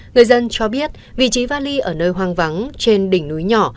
người dân cho biết vị trí vali ở nơi hoang vắng trên đỉnh núi nhỏ